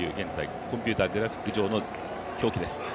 コンピューターグラフィック上の表記です。